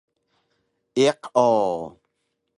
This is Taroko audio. Iq o